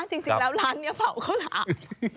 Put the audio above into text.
จริงแล้วร้านนี้เผาข้าวหลาม